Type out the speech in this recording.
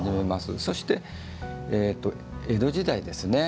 そして江戸時代ですね。